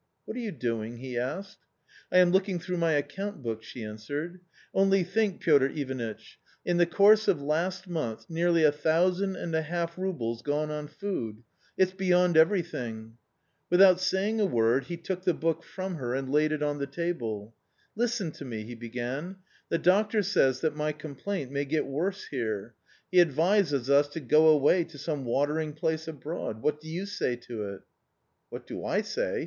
" What are you doing ?" he asked. " I am looking through my account book," she answered. " Only think, Piotr Ivanitch ; in the course of last month nearly a thousand and a half roubles gone on food ; it's beyond everything !" Without saying a word he took the book from her and laid it on the table. " Listen to me," he began, " the doctor says that my complaint may get worse here ; he advises us to go away to some watering place abroad. What do you say to it ?" "What do I say?